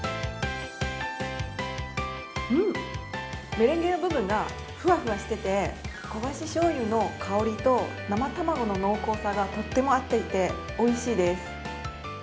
メレンゲの部分がふわふわしてて焦がししょうゆの香りと生卵の濃厚さがとっても合っていておいしいです。